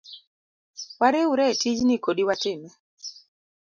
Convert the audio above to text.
Wariwre etijni kodi watime.